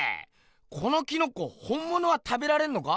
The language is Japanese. このキノコ本ものは食べられんのか？